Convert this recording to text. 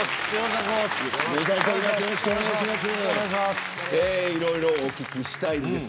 よろしくお願いします。